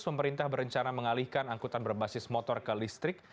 pemerintah berencana mengalihkan angkutan berbasis motor ke listrik